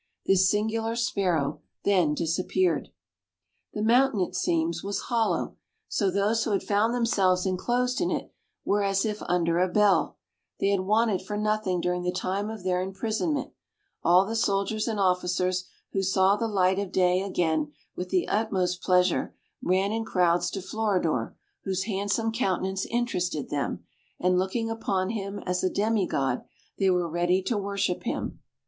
This singular sparrow then disappeared. The mountain, it seems, was hollow, so those who had found themselves enclosed in it were as if under a bell; they had wanted for nothing during the time of their imprisonment; all the soldiers and officers who saw the light of day again with the utmost pleasure, ran in crowds to Floridor, whose handsome countenance interested them, and looking upon him as a demi god, they were ready to worship him.